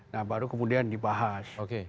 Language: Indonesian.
nah baru kemudian dibahas